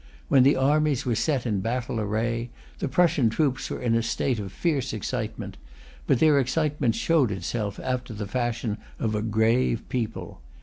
When the armies were set in battle array, the Prussian troops were in a state of fierce excitement; but their excitement showed itself after the fashion of a grave people.